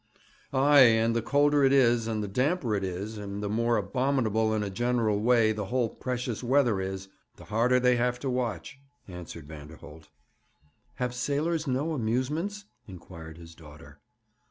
'Ay; and the colder it is, and the damper it is, and the more abominable in a general way the whole precious weather is, the harder they have to watch,' answered Vanderholt. 'Have sailors no amusements?' inquired his daughter.